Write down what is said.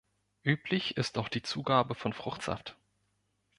Üblich ist auch die Zugabe von Fruchtsaft.